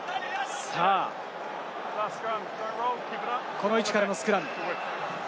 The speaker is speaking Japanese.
この位置からのスクラム。